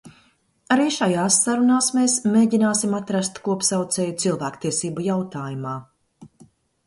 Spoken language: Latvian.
Arī šajās sarunās mēs mēģināsim atrast kopsaucēju cilvēktiesību jautājumā.